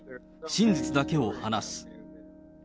真実だけを話す。